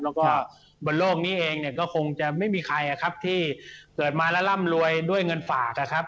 แล้วก็บนโลกนี้เองเนี่ยก็คงจะไม่มีใครครับที่เกิดมาแล้วร่ำรวยด้วยเงินฝากนะครับ